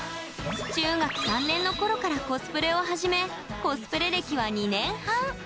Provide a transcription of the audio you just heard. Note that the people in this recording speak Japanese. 中学３年のころからコスプレをはじめコスプレ歴は２年半。